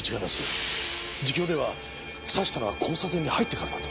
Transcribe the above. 自供では刺したのは交差点に入ってからだと。